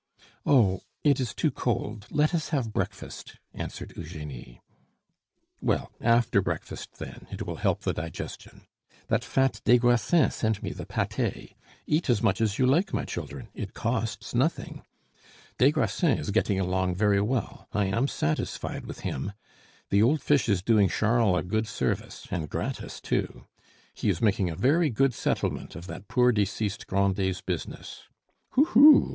"Oh! it is too cold; let us have breakfast," answered Eugenie. "Well, after breakfast, then; it will help the digestion. That fat des Grassins sent me the pate. Eat as much as you like, my children, it costs nothing. Des Grassins is getting along very well. I am satisfied with him. The old fish is doing Charles a good service, and gratis too. He is making a very good settlement of that poor deceased Grandet's business. Hoo! hoo!"